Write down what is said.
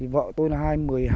vợ tôi là hai nghìn một mươi hai